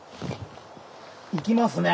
いきますね。